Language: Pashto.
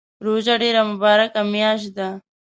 روژه ډیره مبارکه میاشت ده